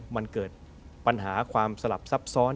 มันเกิดปัญหาความสลับซับซ้อน